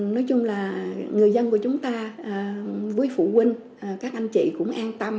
nói chung là người dân của chúng ta với phụ huynh các anh chị cũng an tâm